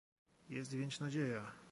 Jest więc nadzieja!